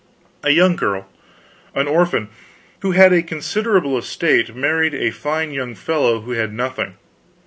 A young girl, an orphan, who had a considerable estate, married a fine young fellow who had nothing.